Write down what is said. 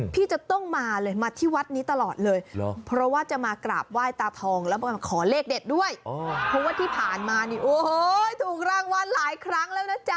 พี่จะต้องมาเลยมาที่วัดนี้ตลอดเลยเพราะว่าจะมากราบไหว้ตาทองแล้วก็มาขอเลขเด็ดด้วยเพราะว่าที่ผ่านมานี่โอ้โหถูกรางวัลหลายครั้งแล้วนะจ๊ะ